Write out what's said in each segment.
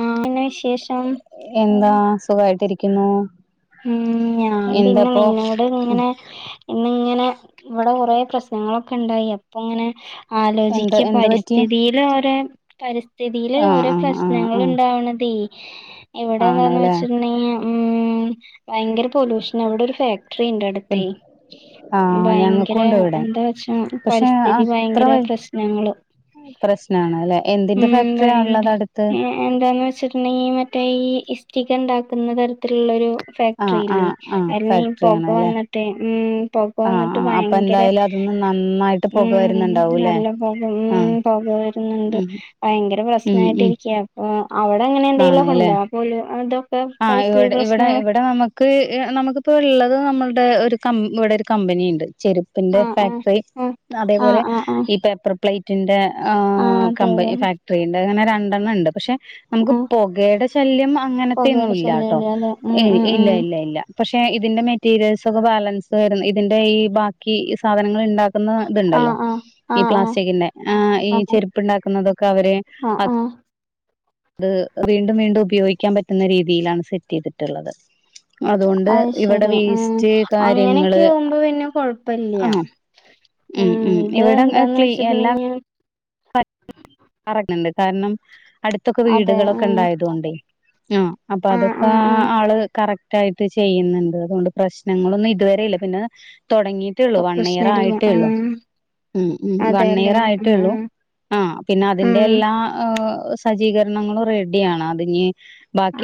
ആഹ് പിന്നെ വിശേഷം എന്താ സുഖായിട്ടിരിക്കുന്നു ഉം ഞാൻ പിന്നെ എന്താപ്പൊ നിന്നോട് ഇങ്ങനെ ഇന്നിങ്ങനെ ഇവിടെ കൊറെ പ്രശ്നങ്ങളൊക്കെ ഉണ്ടായി അപ്പൊ ഇങ്ങനെ എന്താ ആലോചിക്ക എന്താ പറ്റിയെ പരിസ്ഥിതിയിൽ ഓരോ പരിസ്ഥിതിൽ ആഹ് ഓരോ ആഹ് പ്രശ്നങ്ങൾ ആഹ് ആഹ് ഉണ്ടാവണതെ ഇവിടെ എന്താന്ന് ആണല്ലേ വെച്ചിട്ടണ്ടെങ്കിൽ ഭയങ്കര പൊലൂഷന ഇവിടെ ഒരു ഫാക്ടറി ഉണ്ട് അടുത്തെ ആഹ് ഭയങ്കര ഞങ്ങക്കുണ്ട് ഇവിടെ എന്താ വച്ചാ പക്ഷെ പരിസ്ഥിതി ഭയങ്കര പ്രശ്നങ്ങള് പ്രശ്നമാണ് അല്ലെ എന്തിന്റെ ഉം ഫാക്ടറിയ ഭയങ്കര ഉള്ളത് അടുത്ത് എന്താന്ന് വെച്ചിട്ടുണ്ടെങ്കിൽ മറ്റേ ഈ ഇസ്റ്റിക് ഉണ്ടാക്കുന്ന തരത്തിലുള്ളരു ആഹ് ഫാക്ടറില്ലേ ആഹ് ആഹ് അവിടന്ന് ഈ ഫാക്ടറി ആണ് അല്ലെ പൊകവന്നിട്ട് ഉ ആഹ് ന്നിട്ട് ആഹ് അപ്പൊ ഭയങ്കര എന്തായാലും അതിന്ന് നന്നായിട്ട് ഉ പുക വരുന്നുണ്ടാവൂല്ലേ നല്ല പൊക ആഹ് ഉം ഉം ഭയങ്കര ഉം ഉം പ്രശ്നായിട്ടിരിക്ക അപ്പൊ അവിടെ അങ്ങനെ എന്തെങ്കിലും ഒ ആണല്ലേ കൊണ്ടോ [unintelligible] അതോ ആഹ് ഇവിടെ ഇവിടെ ഇവിടെ നമ്മ ക്ക് നമക്ക് നമുക്കിപ്പോ ഉള്ളത് നമ്മളുടെ ഒരു ക ഇവിടെ ഒരു കമ്പനിയുണ്ട് ചെരു പിന്റെ ആഹ് ആഹ് ഫാക്ടറി അതേപോലെ ആഹ് ആഹ് ആഹ് ആഹ് ഈ പേപ്പർ പ്ലേറ്റിന്റെ ആഹ് അതെ അതെ കമ്പനി ഫാക്ടറി ഉണ്ട് അങ്ങനെ രണ്ടെണ്ണം ഉണ്ട് പക്ഷെ നമുക്ക് ആഹ് പൊ കേടെ ശല്യം അങ്ങനത്തെന്നും പൊകയുടെ ഇല്ലട്ടോ ശല്യല്ലേ അല്ലെ ഉം ഉം ഇല്ല ഉം ഇല്ല ഇല്ല പക്ഷെ ഇതിന്റെ മെറ്റീരിയൽസ് ഒക്കെ ബാലൻസ് ആയിരുന്നു ഇതിന്റെ ഈ ബാക്കി സാധനങ്ങൾ ഉണ്ടാ ക്കുന്ന ആഹ് ഇതുണ്ടല്ലോ ആഹ് ഈ ആഹ് ആഹ് പ്ലാസ്റ്റിക്കിന്റെ ആ ഈ ആഹ് ചെരുപ്പുണ്ടാക്കുന്നതൊക്കെ അവര് ആഹ് ആഹ് അത് വീണ്ടും വീണ്ടും ഉപയോഗിക്കാൻ പറ്റുന്ന രീതിയിലാണ് സെറ്റ് ചെയ്തിട്ടുള്ളത് അതുകൊണ്ട് അത് ഇവിടെ ശരി ഉം വേസ്റ്റ് അങ്ങനെയൊക്കെ കാര്യങ്ങള് ആവുമ്പോ പിന്നെ കൊഴപ്പില്ലയാ ആഹ് ഉം ഇത് എന്താന്ന് വെച്ചിട്ടുണ്ടെങ്കിൽ പറയണ്ട് കാരണം അടുത്തൊക്കെ അതെ വീടുകളൊക്കെ ഉം ഉണ്ടായതുകൊണ്ടേ ആഹ് അപ്പൊ ആഹ് അതൊക്കെ ആഹ് ആഹ് ആആള് കറക്റ്റ് റ്റായിട്ട് ചെയ്യുന്ന്ണ്ട് അതോണ്ട് പ്രശ്നങ്ങളൊന്നും ഇത് വരെ ഇല്ല പിന്നെ താെടങ്ങീ ട്ടൊള്ളൂ വൺ ഇയർ പ്രശ്നല്ല ആയിട്ടേ ഒള്ളൂ ആഹ് ഉം ഉം വൺ അതെല്ലേ ഇയർ ആയിട്ടേ ഉള്ളൂ ആഹ് ആഹ് പിന്നെ അതിന്റെ ആഹ് എല്ലാ ഏ് സജ്ജീകരണങ്ങളും റെഡിയാണ് അത്ഇന്നീ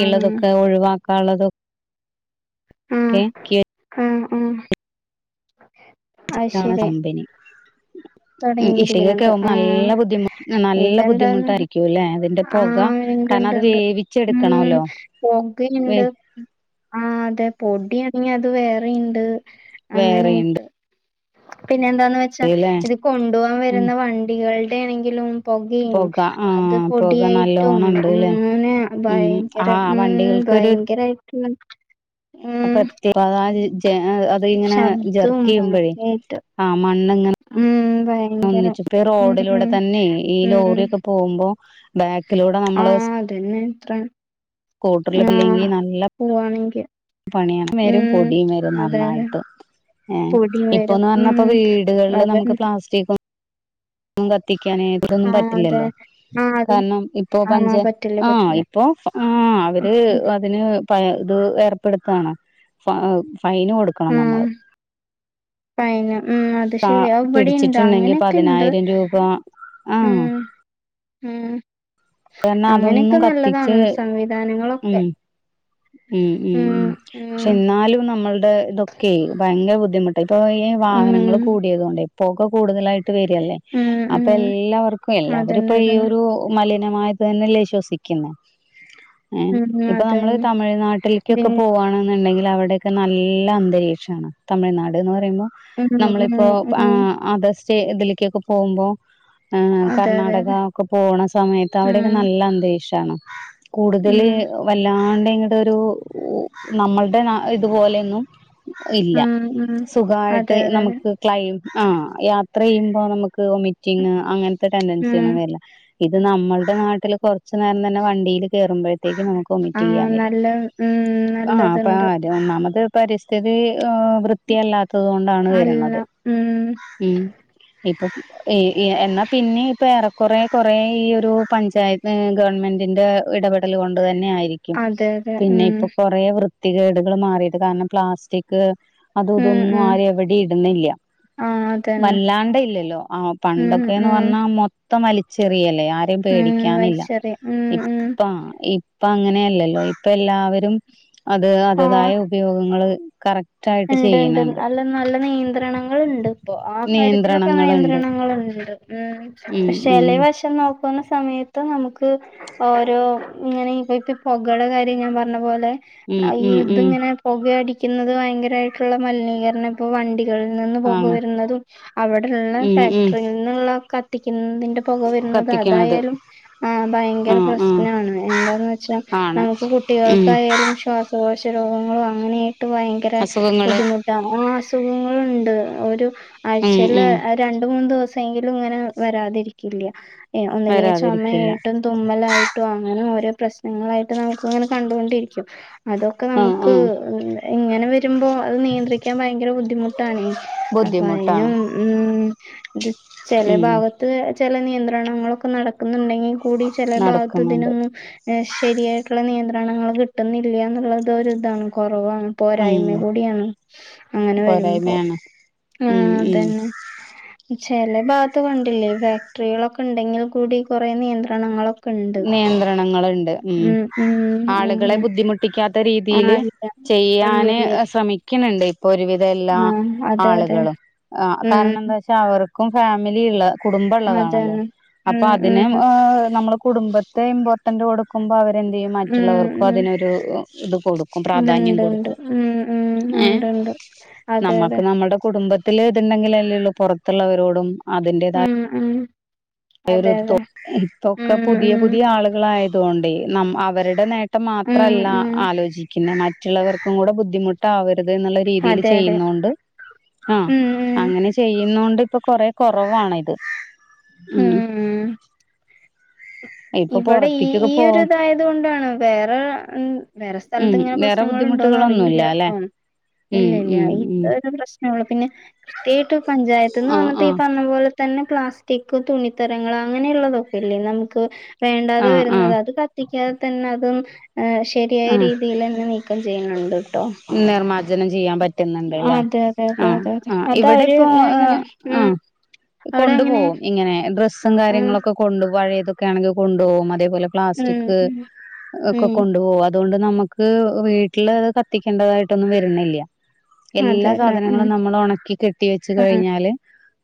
ആഹ് ഒഴിവാക്കാനള്ളതും ക്കെ ക്കെ ഉം ഉം ട്ത്താണ് കമ്പനി ഇ ഇഷ്ടികക്കെ തൊടങ്ങിയിരിക്കുന്നത് ആവുമ്പോ ആഹ് നല്ല ബുദ്ധിമു നല്ല ഇതെന്താന്ന് ബുദ്ധിമുട്ടായിരിക്കുംല്ലേ അതിന്റെ പൊക ആഹ് കാരണം അത് ഇണ്ട്ണ്ട്ണ്ട് ഉം വേവിച്ചെടുക്കണോല്ലോ വേ പൊകയ്ണ്ട് ആഹ് അതെ പൊടിയാണെങ്കി അത് വേറെയുണ്ട് വേറെണ്ട് അങ്ങനേയിട്ട് പിന്നെ എന്താന്ന് വെച്ചാ ല്ലേ ഇത് കൊണ്ടുപോവാൻ ഉം വരുന്ന വണ്ടികൾടെ ആണെങ്കിലും പൊകിം പൊക ആ അത് പൊക പൊടിയായിട്ടും നല്ലോണം ഉണ്ട്ല്ലേ അങ്ങനെ ഭയ ഉം ആ ഭയങ്കര ഉം വണ്ടികൾക്കൊരു ഭയങ്കരായിട്ട്ള്ള അപത്യേ അ അതാ [unintelligible] ഇങ്ങനെ ജെർക്കെയ്യുമ്പോഴേ യ്ട്ട് ഉം ഭയ ഒന്നിച്ചപ്പോ ഈ റോഡിലൂടെ തന്നെ ഈ ഉം ലോറി ഒക്കെ പോ പോവുമ്പോ ബാക്കിലൂടെ നമ്മള് ആഹ് അതന്നെ ഇത്ര സ്കൂട്ടർല് പില്ലെങ്കി ആഹ് നല്ല പോവാണെങ്കി പണിയാണ് വരും ഉം പൊടിം വെരും അതെ അതെ നന്നായിട്ട് ഏഹ് പൊടിയും വരും ഇപ്പൊന്ന് ഉം അർഞ്ഞാപ്പ വീട്കൾല് അതെ നമുക്ക് പ്ലാസ്റ്റിക്കും കത്തിക്കായിട്ടൊന്നും ആഹ് അതെ പറ്റില്ലല്ലോ ആഹ് അതും കാരണം ഇപ്പൊ പഞ്ച ആഹ് പറ്റില്ല ആഹ് പറ്റില്ല ഇപ്പൊ ആഹ് അവര് അതിന് പ്പ ഇത് ഏർപ്പെടുത്താണ് പ്പഅഹ് ഫൈനൊടുക്കണം ആഹ് നമ്മള് ഫൈന് ഉം അത് ത്ശെര്യാ അഅ് ഇവടിംണ്ട് പിടിച്ചിട്ടുണ്ടെങ്കി അങ്ങനെയൊക്കെണ്ട് പതിനായിരം രൂപ ആഹ് ഉം ഉം കാരണം അതൊന്നും അങ്ങനെയെക്കെ കത്തിച്ച് നല്ലതാണ് ഉം സംവിധാനങ്ങളൊക്കെ ഉം ഉം ഉ ശെന്നാലും നമ്മൾടെ ഇതൊക്കെയ് ഭയങ്കര ബുദ്ധിമു ട്ട് ഇപ്പൊ ഈ വാഹനങ്ങള് ഉം കൂടിയതോണ്ടെ പൊക കൂടുതലായിട്ട് വര്യല്ലേ ഉം അപ്പൊ ഉം എല്ലാവർക്കും എല്ലാവരും അതന്നെ ഇപ്പൊ അതന്നെ ഈയൊരു മലിനമായ തെന്നല്ലേ ശ്വസിക്കുന്ന് ഏഹ് ഉം ഇപ്പനമ്മള് അതന്നെ തമിഴ്നാട്ടിൽക്കൊക്കെ പിൻ പോവാണ്ന്ന്ണ്ടെങ്കില് അവ്ടെ ക്കെ നല്ല അന്തരീക്ഷാണ് തമിഴ്നാട്ന്ന് പറയുമ്പോ ഉം ഉം നമ്മളിപ്പോ ഉം ആഹ് അതസ് ചെ ഇതിൽക്കൊക്കെ പോവുമ്പോ ഏഹ് അതെ അതെ അതെ കർണാടകക്കെ പോണ സമയത്ത് ഉം അവിടെക്കെ നല്ല അന്തരീഷാണ് ഉം കൂടുതല് വല്ലാണ്ടിങ്ങട് ഒരു നമ്മൾടെ ഇത്പോലെയൊന്നും ഇല്ല ഉം ഉം സുഖായിട്ട് അതെ അതെ അതെ നമുക്ക് ക്ലൈം ആഹ് യാത്രയ്യുമ്പോ നമുക്ക് വോമിറ്റിങ് അങ്ങൻത്തെ ഉം ടെൻഡൻസൊന്നും വരില്ല ഇത് നമ്മൾടെ നാട്ടില് കെർച്ചു നേരംതന്നെ വണ്ടീല് കേറുമ്പഴത്തേക്കും നമുക്ക് ആഹ് ഒമിറ്റെയ്യാൻ വരും നല്ല ഉം ആഹ് പര നല്ലതുണ്ട് ഒന്നാമത് പരിസ്ഥിതി വ് വൃ ത്തിയല്ലാത്തത് കൊണ്ടാണ് അല്ല വെര്ണത് ഉം ഉം ഇപ്പം എയ് എ എന്നാ പിന്നീം ഇപ്പ ഏറെക്കുറെ കൊറെ ഈ ഒരു പഞ്ചായത്ത് ഗവൺമെന്റിന്റെ ഇടപെട പെടല് കൊണ്ട് തന്നെയായിരി അതെ അതെ പിന്നെ ഉം ഇപ്പൊ കൊറേ വൃത്തികേട്കള് മാറിയത് കാരണം പ്ലാസ്റ്റിക് അതു ഉം ഇതൊന്നും ഉം ആരും എവിടീം ഇടുന്നില്ല. ആഹ് അതന്നെ വല്ലാണ്ടെ ഇല്ലല്ലോ. ആ ഉം പണ്ടൊക്കെന്ന് ഉം പറ്ഞ്ഞാ മൊത്തം വലിച്ചെറിയല്ലെ ആരെ രെയും ഉം പേടിക്കാനില്ല. വലിച്ചെറിയും ഉം ഇപ്പം ഉം ഇപ്പ ഇപ്പങ്ങനെ അല്ലല്ലൊ. ഇപ്പ എല്ലാവരും അത് അത് ആഹ് തായ ഉപയോഗങ്ങള്കറക്റ്റ് ഇണ്ട്. ഇണ്ട്. അല്ല നല്ല നിയന്ത്രണങ്ങള്ണ്ട് ഇപ്പൊ. ആ കാര്യത്തിലൊക്കെ നിയന്ത്രണങ്ങളുണ്ട് നിയന്ത്രണങ്ങള്ണ്ട്. ഉം ഉം പശെ ഉം ചെലേവശം നോക്കു കുന്ന സമയത്ത് നമുക്ക് ഓരോ ഇങ്ങനെ ഇപ്പ പൊകടെ കാര്യം ഞാൻ പറഞ്ഞപോലെ. ഉം അ ഈ ഉം ഉം ഇതിങ്ങനെ പൊക അടിക്കുന്നത് വയങ്കരമായിട്ടുള്ള മലിനീകരണ ഇപ്പൊ വണ്ടി കൾ നിന്ന് പൊക ആണ് വെരുന്നതും അവിടെ ഇള്ള ഉം ഉം ഫാക്ടറി നിന്നുള്ള കത്തിക്കുന്നതിൻ്റെ പൊക വരുന്നത് കത്തിക്കണത് അതായാലും. ആഹ് ആഹ് ആഹ് ഭയങ്കരപ്രശ്നാണ്. എന്താന്ന് വെച്ചാ ആണ് നമുക്ക് ഉം കുട്ടികൾക്കായാലും ശ്വാസ കോശ രോഗങ്ങളും അങ്ങനെയായിട്ട് ഭയങ്കര അസുഖങ്ങള് ബുദ്ധിമു ട്ടാണ് ആഹ് അസുഖങ്ങള്ണ്ട് ഒരു ഉം ആഴ്‌ചേല്. ഉം രണ്ടുമൂന്ന് ദിവസെങ്കിലും ഇങ്ങനെ വരാതിരിക്കില്ല. ഒന്നില്ലെങ്കിൽ വരാതിരിക്കില്ല ചൊമയായിട്ടും. തുമ്മലായിട്ടൊ അങ്ങനെ ഓരോ പ്രശ്നങ്ങളായിട്ട് നമുക്കിങ്ങനെ കണ്ടുകൊണ്ടിരിക്കും. അതൊക്കെ ആഹ് നമുക്ക് ആഹ് ഇങ്ങനെ വെ രുമ്പോ അഹ് നിയന്ത്രിക്കാൻ ഭയങ്കര ബുദ്ധിമുട്ടാണെ. അപ്പൊ അയിന ബുദ്ധിമുട്ടാണ് ഉം ഇത് ഉം ചെലഭാഗത്ത് ചെല നിയന്ത്രണങ്ങളൊക്കെ നടക്കുന്നുണ്ടെങ്കി ൽ കൂടി ചെല നടക്കുന്നുണ്ട് ഭാത്തിതിനൊന്നും. ശെരിയായിട്ടുള്ള നിയന്ത്രണങ്ങള് കിട്ടുന്നില്ല എന്നുള്ളത് ഇതാണ്. കൊറവാണ് പോരായ്മ ഉം കൂടിയാണ്. അങ്ങനെ വരുമ്പോ പോരായ്മയാണ് ഉം ആഹ് ഉം അതന്നെ. ചെലഭാത്ത് കണ്ടില്ലെ. ഫാക്ടറികളൊക്കെ ഇണ്ടെങ്കിൽ കൂടി കൊറേ നിയന്ത്രണങ്ങളൊ നിയന്ത്രണങ്ങള്ണ്ട് ഉം അങ്ങനെ ആളുകളെബുദ്ധിമുട്ട് ട്ടിക്കാത്ത രീതിയില് ആഹ് ഇല്ല ഇല്ല ചെയ്യാന് ഇല്ല ശ്രമിക്കിണ് ഇണ്ട്. ഒരു വിധഎല്ലാ ആഹ് അതെ അതെ ആള്കളും. ആഹ് ഉം കാരണന്താച്ച അവർക്കും ഫാമിലി ഇള്ള കുടുംബം ഇള്ളതാണല്ലോ. അതന്നെ അപ്പൊ ഉം അതിന് ഉം എഹ് നമ്മള് കുടുംബത്തെ ഇംപോ ട്ടന്റ് കൊടുക്കുമ്പോ അവരെന്ത് ചെയ്യും. മറ്റുള്ളവർക്കും ഉം ഉം അതിനൊരു ഇത് കൊടുക്കും പ്രാധാന്യം ഇത്ണ്ട് ഇണ്ട് കൊടുക്കും. ഉം ഉം ഏഹ് ഉണ്ട് ഉണ്ട് അതെ അതെ നമ്മുക്ക് നമ്മുടെ കുടുംബത്തി ത്തില് ഇതുണ്ടെങ്കിലല്ലേ ഒള്ളു പൊറത്തുള്ളവരോടും അതിന്റതായ ഉം ഉം അതെ അതെ ഉം ഇതൊക്കെ പുതിയ ഉം പുതിയ ആളുകളൾആയതുകൊണ്ടെ അവരുടെ നേട്ട ട്ടം മാത്ര ഉം അല്ല ഉം ആലോചിക്ക്ണത്. മറ്റുള്ളവർക്കും കൂടെ ബുദ്ധിമുട്ടാവരുത് എന്നുള്ള രീതീല് അതെ അതെ ചെയ്യുന്നോണ്ട് ആ ഉം ഉം അങ്ങനെ ചെയ്യുന്നോണ്ട് ഇപ്പൊ കൊറെ കൊറവാണ് ഇത്. ഉം ഇപ്പൊ ഇവിടെ ഈ പൊറത്തേക്കൊക്കെ ഈ ഒരു പോവും ഇതായത് കൊണ്ടാണ്. വേറെ വേറെ സ്ഥലത്ത് ഇങ്ങനെ റെ പ്രശ്നങ്ങൾ ഉണ്ടോന്ന് അറിയില്ല ബുദ്ധിമുട്ടുകളൊന്നുല്ലലെ? ട്ടോ ഉം ഉംഉം നമ്മൾ പിന്നെ [unintelligible] കൃത്യമായിട്ട് പഞ്ചായത്ത് നിന്ന് ആഹ് പറഞ്ഞിട്ട് ഈ ആഹ് പറഞ്ഞ പോലെ തന്നെ പ്ലാസ്റ്റിക് തുണിത്തരങ്ങൾ അങ്ങനെയുള്ളതൊക്കെ ഇല്ലെ നമുക്ക് വേണ്ടാതെ ആഹ് വരുന്നത്. ആഹ് അത് കത്തിക്കാതെ തന്നെ അതും ശരിയായ ആഹ് രീതിയിലെന്നെ നീക്കം ചെയ്യ്ണ്ട്ട്ടോ. നിർമ്മാർജ്ജനം ചെയ്യാൻ പറ്റുന്നുണ്ട് ല്ലേ അതെ അതെ. അതെ. ആഹ് അതെ ആഹ് അത ഇവിടെ അവര്എങ്ങനെ ഉം. അവിടെ കൊണ്ടു അങ്ങനെ പോകും. ഇങ്ങനെ ഡ്രസ്സും ആഹ് കാര്യങ്ങളൊക്കെ കൊണ്ട് പഴേതൊക്കെ ആണെങ്കിൽ കൊണ്ടു പോകും. അതേപോലെ ഉം പ്ലാസ്റ്റിക് ഉം ഒക്കെ ഉം കൊണ്ടു പോവാ അതുകൊണ്ട് നമക്ക് വീട്ടില് അത് കത്തിക്കെണ്ടതായിട്ടൊന്നും വരുന്നില്ല. എല്ലാ അതേല്ലേ. ആഹ് സാധനങ്ങളും നമ്മള് ഒണക്കി കെട്ടി വെച്ച് ആഹ് കഴിഞ്ഞാല്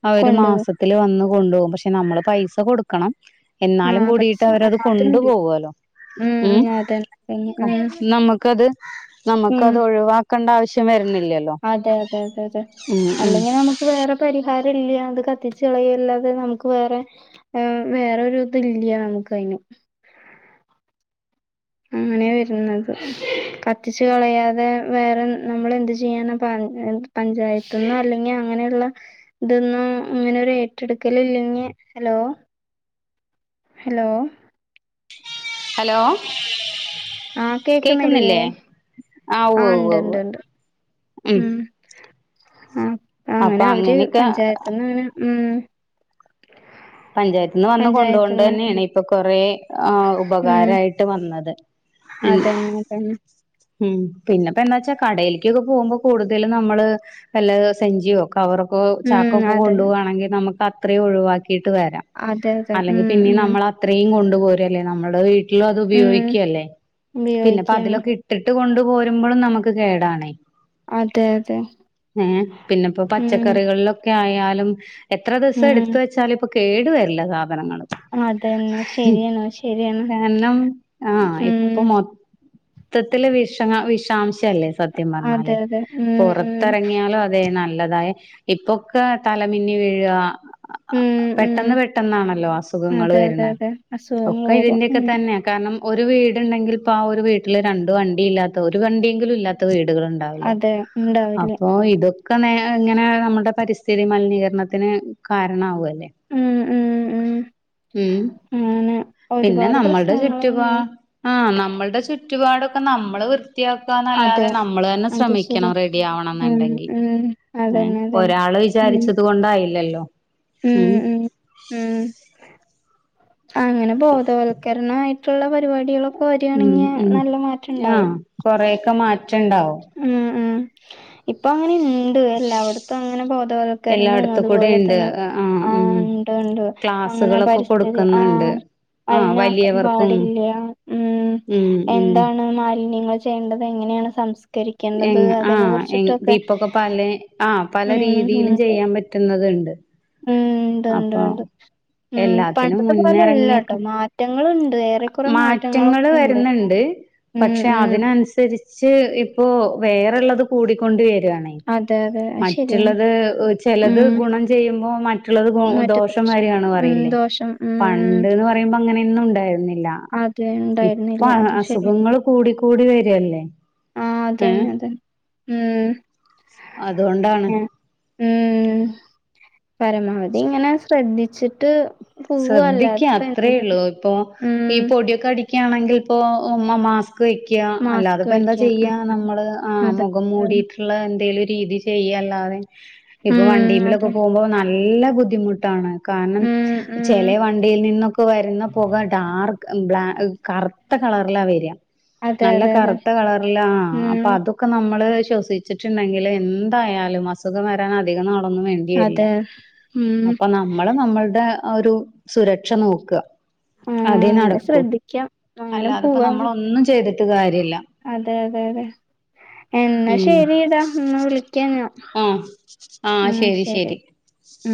അവര് കൊണ്ടോവും. മാസത്തി ത്തില്‌ വന്ന് കൊണ്ടുപോകും. പക്ഷെ നമ്മള് പൈസ കൊടുക്കണം. എന്നാലും ആഹ് പൈസ കൂടിയിട്ട് ആഹ് അവരത് കൊണ്ടു അതുണ്ട്. പോവോല്ലോ. ഉം അതന്നെ അതന്നെ. ഉം നമ്മക്കത് ഉം നമ്മക്കത് ഒഴിവാക്കണ്ട ആവശ്യം വര്ന്നില്ല. അതെ അതെ അതെ അതെ ഉം അല്ലെങ്കി നമുക്ക് വേറെ പരിഹാരം ഇല്ല. ഇത് കത്തിച്ച് കളയല്ലാതെ നമുക്ക് വേറെ വേ വേറൊരു ഇത് ഇല്യാ നമുക്ക് അയിനും ഉ അങ്ങനെ വരുന്നത്. കത്തിച്ച് കളയാതെ വേറെ നമ്മള് എന്ത് ചെയ്യാന പറ എന്ത്- പഞ്ചായത്ത് നിന്നോ അല്ലെങ്കി അങ്ങനെയുള്ള ഇതിന്നോ ഇങ്ങനെ ഒരു ഏറ്റെടുക്കല് ഇല്ലെങ്കി ഹലോ ഹലോ ഹലോ ആഹ് കേക്കുന്നില്ലേ? ആ ഉവ്വ് ആഹ് ഇണ്ട് ഉവ്വ് ഇണ്ട് ഉവ്വ് ഇണ്ട് ഉം. ആ അ അപ്പൊ അങ്ങനെ അവര് അങ്ങനെയൊക്കെ പഞ്ചായത്ത്ന്ന് ഇങ്ങനെ ഉം പഞ്ചായത്ത്ന്ന് വന്ന് കൊണ്ട് പഞ്ചായത്ത്ന്ന് പോകണ്ടതന്നേണ് ഇപ്പൊ കൊറേ ഉം ആഉപകാരായിട്ട് വന്നത്. ഉം അതന്നെ അതന്നെ ഉം പിന്നെപ്പോ എന്നാച്ചാ കടേല്ക്ക് ഒക്കെപോകുമ്പോ കൂടുതലും നമ്മള് വല്ല സഞ്ചിയോ കവറൊക്കൊ ഉം ചാക്കൊക്കൊ അതെ കൊണ്ടുപോവാണെങ്കി നമക്ക് അത്രയും ഒഴിവാക്കിയിട്ട് വരാം. അതെ അതെ അല്ലെങ്കി ഉം പിന്നേം ഉം നമ്മളത്രയും കൊണ്ടുപോര് അല്ലേ. നമ്മടെ വീട്ട ങ്കിലും അത് ഉം ഉപയോഗിക്കയല്ലേ പിന്നെപ്പോ ഉപയോഗിക്കാണ് അതിലൊക്കെ ഇട്ടിട്ട് കൊണ്ട് പോരുമ്പളും നമക്ക് കേടാണേയ്. അതെ അതെ ഹേ പിന്നെപ്പോ ഉം പച്ചക്കറികളിലൊ- ക്കെ ആയാലും എത്ര ദിവസം ഉം എടുത്ത് വച്ചാലും ഇപ്പൊ കേടു വരില്ല സാധ സാധനങ്ങള് അതന്നെ മ് ശരിയാണ് ശരിയാണ് കാരണം ആ ഉം ഇപ്പൊ മൊ മൊത്തത്തില് വിഷമാ വിഷാംശ റ്റല്ലേ സത്യം അതെ പറഞ്ഞാല്. അതെ ഉം ഉം പുറത്തെറങ്ങിയാലും അതെ നല്ലതായ ഇപ്പൊക്കെ തലമിന്നി വീഴാ ഉം ഉം പെട്ടെന്ന് പെട്ടെന്നാണല്ലോ അസുഖങ്ങള് അതെ അതെ വരണെ. അതെ അസുഖങ്ങൾ ഒക്കെ വരും ഇതിന്റെയൊക്കെ ഉം തന്നെ കാരണം ഒരു വീട്ണ്ടെങ്കിൽ ഇപ്പോ ആ ഒരു വീട്ടില് രണ്ടു വണ്ടി ഇല്ലാത്ത ഒരു വണ്ടിയെങ്കിലും ഇല്ലാത്ത വീടുകളു ണ്ടാവില്ല. അതെ ഉണ്ടാവില്ല അപ്പോ ഇതൊ ഒക്കെ ഇങ്ങനെ നമ്മുടെ പരിസ്ഥിതി മലിനീകരണത്തിന് കാരണ ആവു അല്ലേ? [unintelligible] ഉം ഉം ഉം ഉം അങ്ങനെ പിന്നെ ഒരുപാട് നമ്മൾടെ പ്രശ്നങ്ങൾ ചുറ്റുപാ തന്നെയാണ് ആഹ് നമ്മൾടെ ചുറ്റുപാടൊക്കെ നമ്മള് വൃ ത്തിയാക്കാന്നല്ലാതെ അതെ നമ്മള്തന്നെ അത് ശരിയാ ശ്രമിക്കണം റെഡി ഉം ആവണെന്നുണ്ടെങ്കി ഉം ഏഹ് അതന്നെ അതന്നെ ഒരാള് ഇ ഉം വിചാരിച്ചത് കൊണ്ടായില്ലല്ലോ ഉം ഉം ഉം അങ്ങനെ ബോധവൽ ക്കരണായിട്ടുള്ള പരിപാടികളൊക്കെ വര്യാണെങ്കി നല്ല മാറ്റം ഉണ്ടാവും കൊറേയൊക്കെ മാറ്റണ്ടാവും ഉം ഉം ഇപ്പൊ അങ്ങനെ ഇ ഉണ്ട് എല്ലാവിടത്തും അങ്ങനെ ബോധവൽക്കരണോം എല്ലായിടത്തു കൂടെ അതുപോലെ ഇണ്ട് തന്നെ ആഹ് ഉം ഉണ്ട് ഉണ്ട് അങ്ങനെ ക്ലാസ്സുകളൊക്കെ പരിസ്ഥിതി കൊടുക്കുന്നുണ്ട് ആഹ് ആഹ് മലിനാക്കാൻ വലിയവർക്കും പാടില്ല്യ ഉം എന്താണ് മാലിന്യങ്ങള് ചെയ്യണ്ടത് എങ്ങനെയാണ് സംസ്കരി എങ്ങ ആഹ് എങ്ങ ഇപ്പൊക്കെ പല ആഹ് പല ഉം ഉം രീതിയിലും ഉണ്ട് ചെയ്യാൻ പ റ്റുന്നത്ണ്ട് ഉം ഉണ്ട് ഉണ്ട് ഉണ്ട് ഉം എല്ലാത്തിനും പണ്ടത്തെ മുന്നിറങ്ങിയൊക്കെ പോലെയല്ലാട്ടോ മാ റ്റങ്ങളുണ്ട് ഏറെ കുറെ മാറ്റങ്ങളൊക്കെ ഉണ്ട് ഉണ്ട് ഉം പക്ഷെ ഉം അതിനനുസരിച്ച് ഇപ്പോ വേറൊളളത് കൂടിക്കൊണ്ട് രിക്കണേ അതെ അതെ അത് ശരിയാണ് മറ്റുള്ളത് ചെലത് ഉം ഗുണം ചെയ്യുമ്പോ മ റ്റുളളത് ഗൊ മറ്റേ ദോഷം വരാണ് ഉം പറയില്ലേ ദോഷം ഉം ഉം പണ്ട്ന്ന് പറയുമ്പോ അങ്ങനെയൊന്നും ഉണ്ടായിരുന്നി ല്ല അത് ഇപ്പ ഉണ്ടായിരുന്നില്ല അ അത് ശരി അസുഖങ്ങള് കൂടി കൂടി വരുവല്ലേ ആഹ് അതെ അതെ ഉം അതുകൊണ്ടാണ് ഉം ഉം പരമാവധി ഇങ്ങനെ ശ്രദ്ധിച്ചിട്ട് പോവ ശ്രദ്ധിക്ക അല്ലാതെ ഇപ്പ എന്ത് അത്രേയിള്ളൂ ഇപ്പൊ ഈ ഉം പൊടിയൊക്കെ അടിക്ക്യാണെങ്കി ഇപ്പോ ഉം മാസ് ക് വെയ്ക്ക്യ അല്ലാതെ മാസ്ക് ഇപ്പോ എന്താ വെക്കാം ഉം ചെയ്യാ ഉം നമ്മള് ആ അതെ മുഖം മൂടിയി ട്ടൊളളത് എന്തേലും രീതി ചെയ്യല്ലാതെ ഇപ്പൊ ഉം വണ്ടീമ്മിലൊക്കെ അതെ പോവുമ്പോ ന ല്ല ബുദ്ധിമുട്ടാണ് കാരണം ഉം ചെല ഉം വണ്ടിയിൽ നിന്നൊക്കെ വരുന്ന പൊക ഡാർക്ക് ബ്ലാ മം കറുത്ത കളറിലാ വരിയ അതെ നല്ല അതെ അതെ കറുത്ത കളറിലാ അപ്പൊ ഉം അത് ക്കെ നമ്മള് ശ്വസിച്ചിട്ടുണ്ടെങ്കില് എന്തായാലും അസുഖം വരാൻ അധികം നാളൊന്നും വേ ണ്ടി വരില്ല അതെ ഉം അപ്പം നമ്മള് നമ്മള്ടെ ആ ഒരു സുരക്ഷ നോക്ക്വ ആഹ് അതേ അങ്ങനെ നടക്കൂ ശ്രദ്ധിക്കാം അങ്ങനെ അല്ലാതപ്പൊ പോവാ നമ്മളൊന്നും ചെയ്തിട്ട് കാര്യയില്ല അതെ അതെ അതെ എന്നാ ഉം ശരിടാ എന്നാ വിളിക്കാം ഞാൻ ആഹ് ആഹ് ഉം ശെരി ശരി ശെരി ഉം